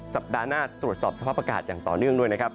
สัปดาห์หน้าตรวจสอบสภาพอากาศอย่างต่อเนื่องด้วยนะครับ